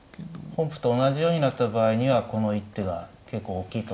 本譜と同じようになった場合にはこの一手が結構大きいと。